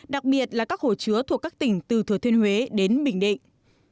đặc biệt là các hồ chứa thuộc các tỉnh từ thừa thiên huế đến bình định